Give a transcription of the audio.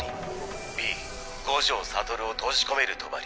Ｂ五条悟を閉じ込める帳。